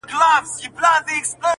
ما د خپل قسمت پر فیصلو شکر ایستلی -